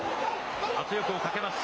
圧力をかけます。